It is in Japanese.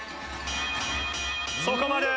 そこまで。